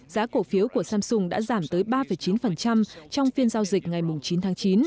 giá cổ phiếu của samsung đã giảm tới ba chín trong phiên giao dịch ngày chín tháng chín